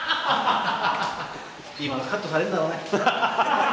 今のカットされるんだろうね。